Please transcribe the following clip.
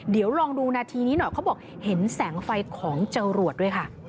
เดี๋ยวลองดูนาทีนี้หน่อยเขาบอกเห็นแสงไฟของจรวดด้วยค่ะ